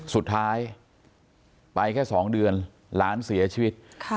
สุดท้ายไปแค่๒เดือนหลานเสียชีวิต